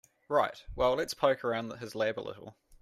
Right, well let's poke around his lab a little.